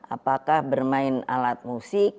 apakah bermain alat musik